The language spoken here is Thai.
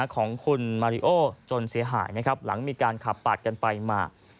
ของคุณมาริโอจนเสียหายนะครับหลังมีการขับปาดกันไปมา